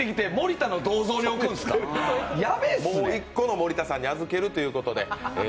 もう１個の森田さんに預けるということで。